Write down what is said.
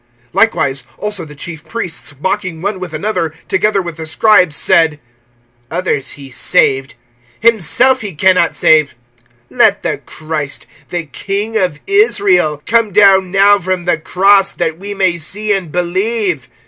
(31)Likewise also the chief priests, mocking one with another, together with the scribes, said: Others he saved, himself he can not save. (32)Let the Christ, the King of Israel, come down now from the cross, that we may see and believe.